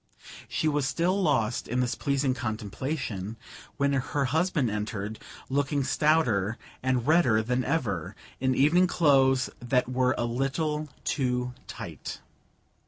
She was still lost in this pleasing contemplation when her husband entered, looking stouter and redder than ever, in evening clothes that were a little too tight.